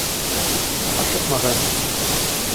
Ашыҡмағыҙ